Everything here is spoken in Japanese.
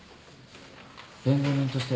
弁護人として。